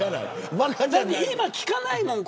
だって今、効かないもん。